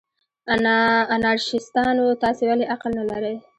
انارشیستانو، تاسې ولې عقل نه لرئ؟